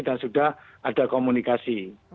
dan sudah ada komunikasi